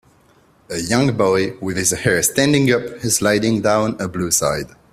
A young boy with his hair standing up, is sliding down a blue slide